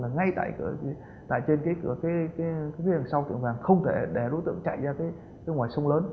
là ngay tại trên cái cửa phía sau tiệm vàng không thể để đối tượng chạy ra ngoài sông lớn